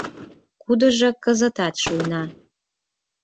Кудыжо кызытат шуйна.